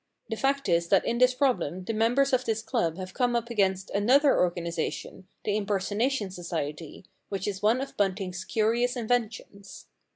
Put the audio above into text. The fact is that in this problem the members of this club have come up against another organisation, the Impersonation Society, which is one of Bunting's curious inventions.